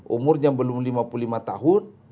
umurnya belum lima puluh lima tahun